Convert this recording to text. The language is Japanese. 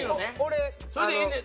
それでいいのね？